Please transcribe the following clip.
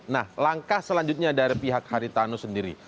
nah langkah selanjutnya dari pihak haritanu sendiri